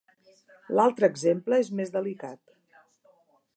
L'altre exemple és més delicat.